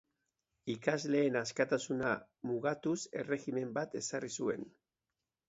Ikasleen askatasuna mugatuz erregimen bat ezarri zuen.